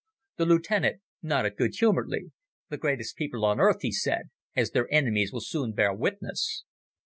The lieutenant nodded good humouredly. "The greatest people on earth," he said, "as their enemies will soon bear witness."